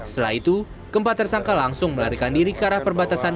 setelah itu keempat tersangka langsung melarikan diri ke arah perbatasan